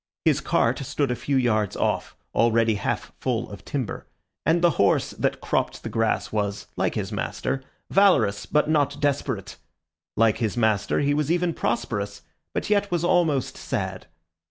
His cart stood a few yards off, already half full of timber; and the horse that cropped the grass was, like his master, valorous but not desperate; like his master, he was even prosperous, but yet was almost sad.